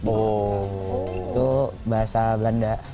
itu bahasa belanda